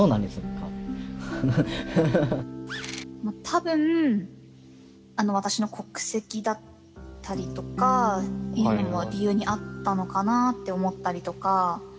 たぶん私の国籍だったりとかいうのも理由にあったのかなって思ったりとか。